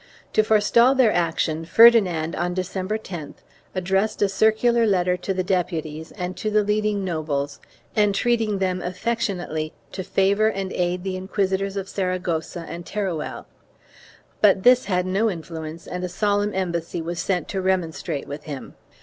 To forestall their action Ferdinand, on December 10th, addressed a circular letter to the deputies and to the leading nobles, entreating them affectionately to favor and aid the inquisitors of Saragossa and Teruel, but this had no influence and a solemn embassy was sent to remonstrate with him.